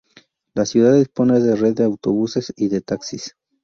La ciudad dispone de red de autobuses y de taxis.